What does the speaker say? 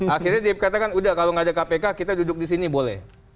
akhirnya dia katakan udah kalau nggak ada kpk kita duduk di sini boleh